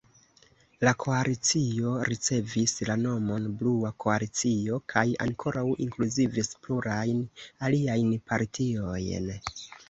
La koalicio ricevis la nomon "Blua Koalicio" kaj ankoraŭ inkluzivis plurajn aliajn partiojn.